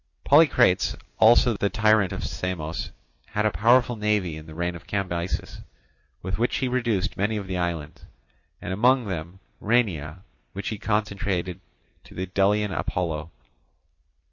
Polycrates also, the tyrant of Samos, had a powerful navy in the reign of Cambyses, with which he reduced many of the islands, and among them Rhenea, which he consecrated to the Delian Apollo.